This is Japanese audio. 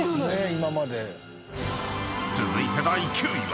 ［続いて第９位は］